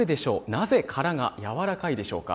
なぜ殻が柔らかいでしょうか。